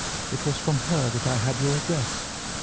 It was from her that I had your address.